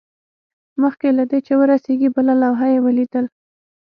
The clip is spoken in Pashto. مخکې له دې چې ورسیږي بله لوحه یې ولیدل